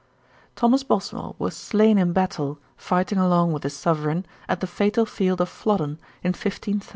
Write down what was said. Thomas Boswell was slain in battle, fighting along with his Sovereign, at the fatal field of Flodden, in 1513.